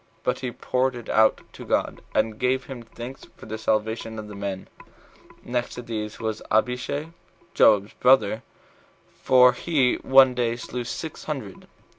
But he poured it out to God, and gave him thanks for the salvation of the men. Next to these was Abishai, Joab's brother; for he in one day slew six hundred.